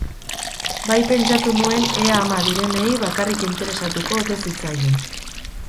Bai pentsatu nuen ea ama direnei bakarrik interesatuko ote zitzaien.